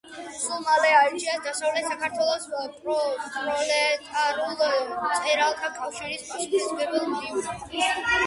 სულ მალე აირჩიეს დასავლეთ საქართველოს პროლეტარულ მწერალთა კავშირის პასუხისმგებელ მდივნად.